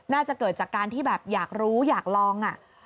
น่าจะเกิดจากการที่แบบอยากรู้อยากลอง